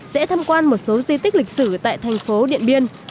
sẽ tham quan một số di tích lịch sử tại thành phố điện biên